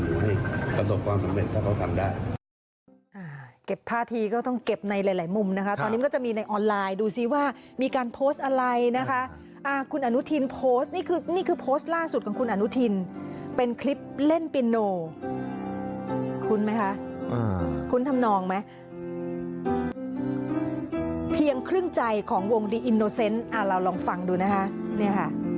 ให้ประสบความสำเร็จถ้าเขาทำได้